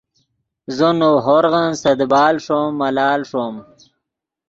زو نؤ ہورغن سے دیبال ݰوم ملال ݰوم